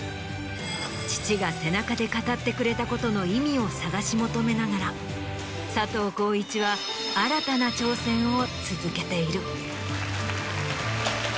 父が背中で語ってくれたことの意味を探し求めながら佐藤浩市は新たな挑戦を続けている。